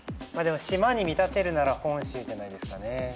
島に見立てるなら本州じゃないですかね。